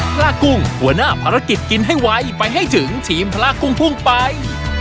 พระกุ้งหัวหน้าภารกิจกินให้ไวไปให้ถึงทีมพระกุ้งพุ่งไป